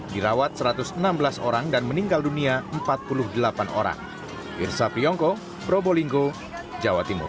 dirawat satu ratus enam belas orang dan meninggal dunia empat puluh delapan orang irsa priyongko probolinggo jawa timur